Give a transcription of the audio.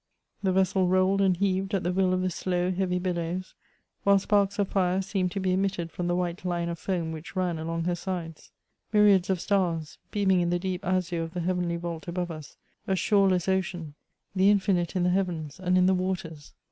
The vessel railed and heaved at the will of the slow heavy billows, while sparks of fire seemed to be emitted from the white line of foam which ran along her sides ; myriads of stars, beaming in the deep azure of the heavenly vault above us, a shoreless ocean, the infinite in the heavens and in the waters.